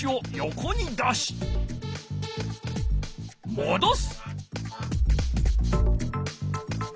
もどす。